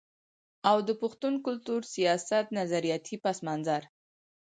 او د پښتون کلتور، سياست، نظرياتي پس منظر